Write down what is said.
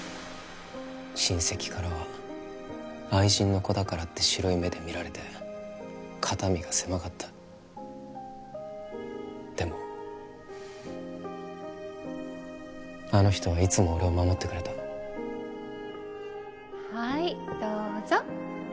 親戚からは愛人の子だからって白い目で見られて肩身が狭かったでもあの人はいつも俺を守ってくれたはいどうぞ